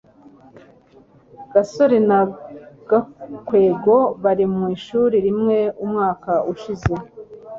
gasore na gakwego bari mu ishuri rimwe umwaka ushize